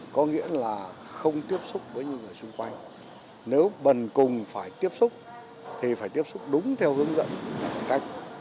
có nghĩa là không tiếp xúc với những người xung quanh nếu bần cùng phải tiếp xúc thì phải tiếp xúc đúng theo hướng dẫn cách